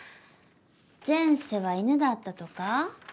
前世は犬だったとか？